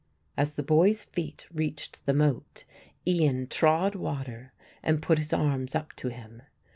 As the boy's feet reached the moat, Ian trod water and put his arms up to him.